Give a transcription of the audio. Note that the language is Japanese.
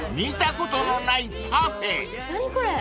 何これ。